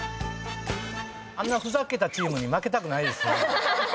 あんなふざけたチームに負けたくないですね。